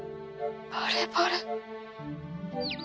バレバレ。